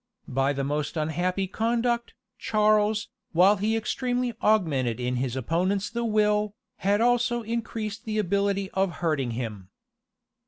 By the most unhappy conduct, Charles, while he extremely augmented in his opponents the will, had also increased the ability of hurting him.